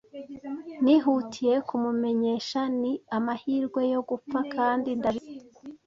Nihutiye kumumenyesha ni amahirwe yo gupfa, kandi ndabizi.